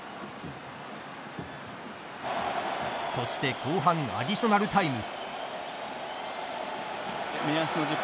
そして後半アディショナルタイム。